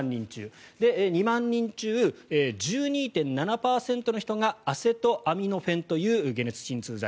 ２万人中、１２．７％の人がアセトアミノフェンという解熱鎮痛剤。